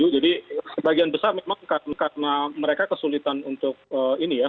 lima ratus lima puluh tujuh jadi sebagian besar memang karena mereka kesulitan untuk ini ya